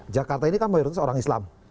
jakarta ini kan mayoritas orang islam